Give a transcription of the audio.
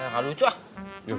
gak lucu ah